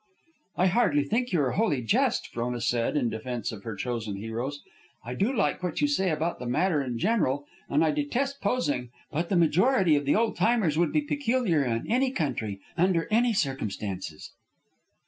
"I hardly think you are wholly just," Frona said, in defence of her chosen heroes. "I do like what you say about the matter in general, and I detest posing, but the majority of the old timers would be peculiar in any country, under any circumstances.